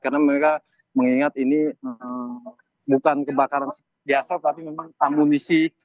karena mereka mengingat ini bukan kebakaran biasa tapi memang amunisi